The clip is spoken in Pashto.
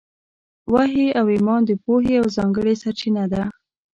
وحي او ایمان د پوهې یوه ځانګړې سرچینه ده.